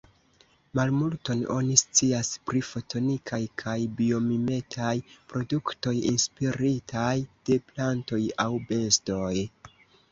Malmulton oni scias pri fotonikaj kaj biomimetaj produktoj inspiritaj de plantoj aŭ bestoj.